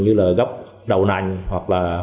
như là gốc đầu nành hoặc là hiệu cơ gì đó